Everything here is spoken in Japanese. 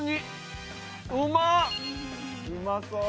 うまそう！